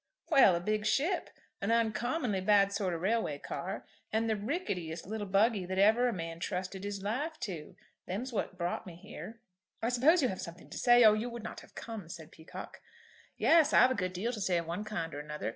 "Well, a big ship, an uncommonly bad sort of railway car, and the ricketiest little buggy that ever a man trusted his life to. Them's what's brought me here." "I suppose you have something to say, or you would not have come," said Peacocke. "Yes, I've a good deal to say of one kind or another.